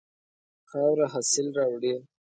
خاوره حاصل راوړي.